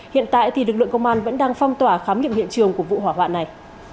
hiện tại thì lực lượng công an vẫn đang phong tỏa khám nghiệm hiện trường của vụ hỏa hoạn này